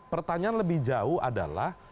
pertanyaan lebih jauh adalah